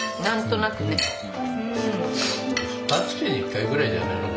何となくね。